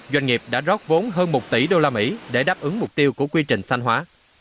doanh nghiệp đã rót vốn hơn một tỷ đô la mỹ để đáp ứng mục tiêu của quy trình xanh hóa